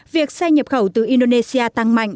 việc xe nhập khẩu từ indonesia tăng mạnh